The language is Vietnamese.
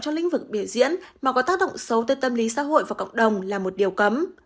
trong lĩnh vực biểu diễn mà có tác động xấu tới tâm lý xã hội và cộng đồng là một điều cấm